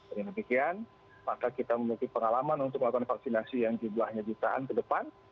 dengan demikian maka kita memiliki pengalaman untuk melakukan vaksinasi yang jumlahnya jutaan ke depan